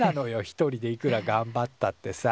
一人でいくらがんばったってさ。